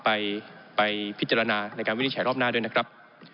ไปพิจารณาในการวินิจฉัยรอบหน้าด้วยนะครับ